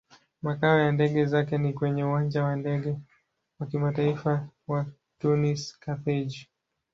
Makao ya ndege zake ni kwenye Uwanja wa Ndege wa Kimataifa wa Tunis-Carthage.